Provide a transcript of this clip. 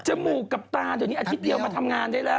จมูกกับตาเดี๊ยวก็มาทำงานได้แล้ว